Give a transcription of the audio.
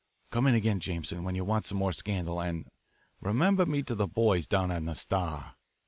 Come in again, Jameson, when you want some more scandal, and remember me to the boys down on the Star."